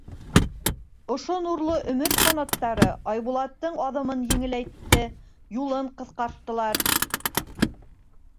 Ошо нурлы өмөт ҡанаттары Айбулаттың аҙымын еңеләйтте, юлын ҡыҫҡарттылар.